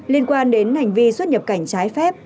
liên quan đến hành vi xuất nhập cảnh trái phép